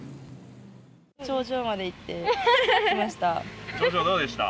頂上まで行ってきました。